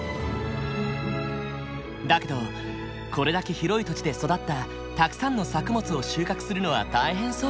だけどこれだけ広い土地で育ったたくさんの作物を収穫するのは大変そう。